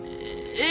え？